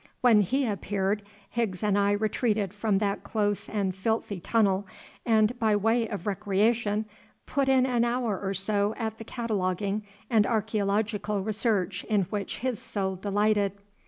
When he appeared Higgs and I retreated from that close and filthy tunnel, and, by way of recreation, put in an hour or so at the cataloguing and archæological research in which his soul delighted.